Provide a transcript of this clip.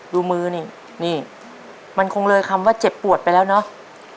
ดูมือนี่นี่มันคงเลยคำว่าเจ็บปวดไปแล้วเนาะ